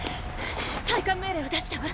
退艦命令を出したわ。